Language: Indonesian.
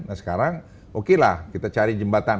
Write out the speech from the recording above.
nah sekarang okelah kita cari jembatan